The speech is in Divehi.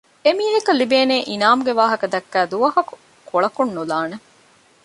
އެ މީހަކަށްލިބޭނޭ އިނާމުގެވާހަކަ ދައްކައި ދުވަހަކު ކޮޅަކުންނުލާނެ